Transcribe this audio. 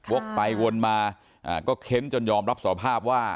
ไปวนมาก็เค้นจนยอมรับสภาพว่า